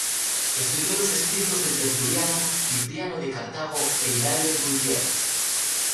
Estudia los escritos de Tertuliano, Cipriano de Cartago e Hilario de Poitiers.